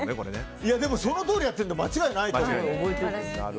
いやでも、そのとおりやってるので間違いない。